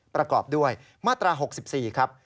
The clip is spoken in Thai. ประกอบด้วยมาตรา๖๔ครับ